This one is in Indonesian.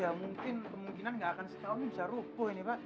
ya mungkin kemungkinan gak akan setahun bisa rupuh ini pak